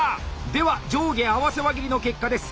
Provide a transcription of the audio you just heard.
では「上下合わせ輪切り」の結果です。